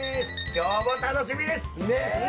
今日も楽しみです！